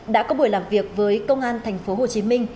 đã có buổi làm việc với công an tp hcm